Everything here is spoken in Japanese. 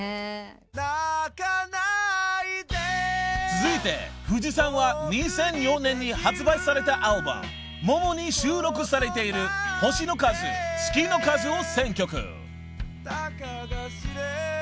［続いてＦＵＪＩさんは２００４年に発売されたアルバム『百々』に収録されている『星の数月の数』を選曲］